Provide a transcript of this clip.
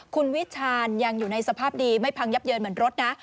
คุณวิชาญยังอยู่ในสภาพดีไม่พังยับเยินเหมือนรถนะ